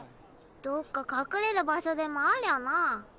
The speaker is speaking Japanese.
どっか隠れる場所でもありゃな。